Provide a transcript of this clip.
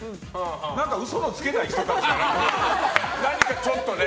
何か嘘のつけない人たちだな。